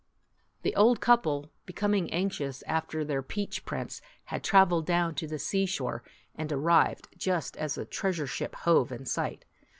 The old couple, becoming anxious after their Peach Prince, had traveled down to the sea shore, and arrived just as the treasure ship hove in sight.